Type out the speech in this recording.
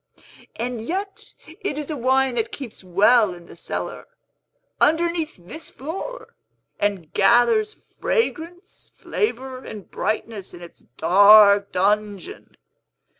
And yet it is a wine that keeps well in the cellar, underneath this floor, and gathers fragrance, flavor, and brightness, in its dark dungeon.